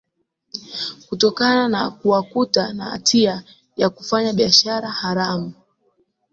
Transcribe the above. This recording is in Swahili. kutokana kuwakuta na hatia ya kufanya biashara haramu